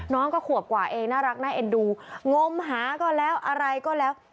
น้องก็ขวบกว่าเองน่ารักน่าเอ็นดูงมหาก็แล้วอะไรก็แล้ว